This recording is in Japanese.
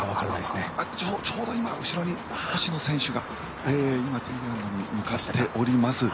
ちょうど今、後ろに星野選手がティーグラウンドに向かっています。